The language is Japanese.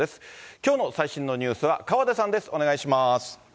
きょうの最新のニュースは、河出さんです。